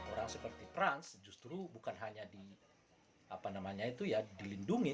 orang seperti perang justru bukan hanya dilindungi